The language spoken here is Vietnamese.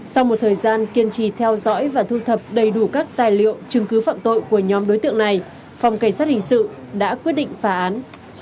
sau một thời gian kiên trì theo dõi và thu thập đầy đủ các tài liệu chứng cứ phạm tội của nhóm đối tượng này phòng cảnh sát hình sự đã quyết định phá án